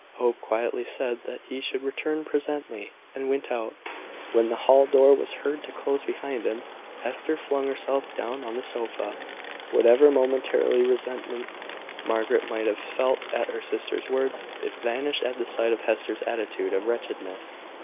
Hope quietly said that he should return presently, and went out. When the hall door was heard to close behind him, Hester flung herself down on the sofa. Whatever momentary resentment Margaret might have felt at her sister's words, it vanished at the sight of Hester's attitude of wretchedness.